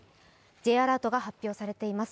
Ｊアラートが発表されています。